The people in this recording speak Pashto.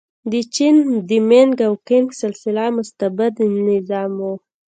د چین د مینګ او کینګ سلسله مستبد نظام و.